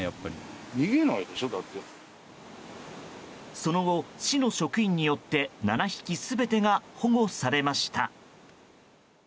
その後、市の職員によって７匹全てが保護されました。